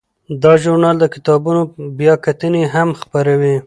دا ژورنال د کتابونو بیاکتنې هم خپروي.